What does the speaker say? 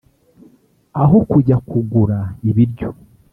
aho kujya kugura ibiryo